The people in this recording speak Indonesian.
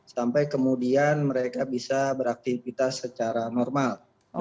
sampai kemudian mereka bisa beraktivitas secara normal